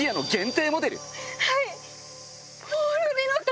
はい！